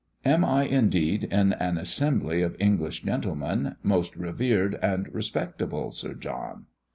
Am I indeed in an assembly of English gentlemen, most revered and respectable Sir John?"